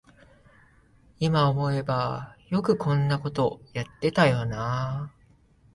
いま思えばよくこんなことやってたよなあ